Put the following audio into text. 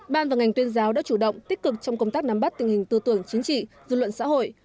ban và ngành tuyên giáo đã chủ động tích cực trong công tác nắm bắt tình hình tư tưởng chính trị dư luận xã hội